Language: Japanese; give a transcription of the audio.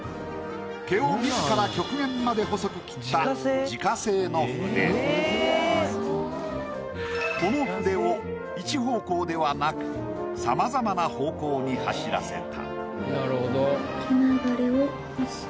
毛を自ら極限まで細く切ったこの筆を一方向ではなく様々な方向に走らせた。